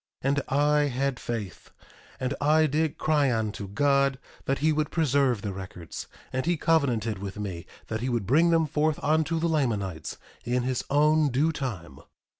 1:16 And I had faith, and I did cry unto God that he would preserve the records; and he covenanted with me that he would bring them forth unto the Lamanites in his own due time.